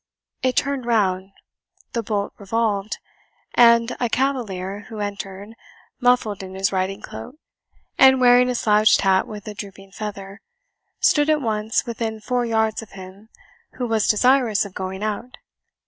It turned round, the bolt revolved, and a cavalier, who entered, muffled in his riding cloak, and wearing a slouched hat with a drooping feather, stood at once within four yards of him who was desirous of going out.